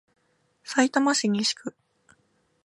さいたま市西区